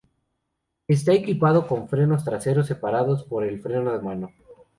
Está equipado con frenos traseros separados para el freno de mano.